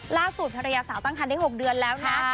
ล่าสู่ธรรยาสาวตั้งครั้งได้๖เดือนแล้วนะ